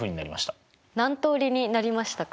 何通りになりましたか？